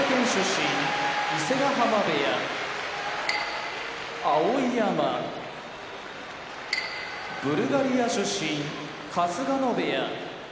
伊勢ヶ濱部屋碧山ブルガリア出身春日野部屋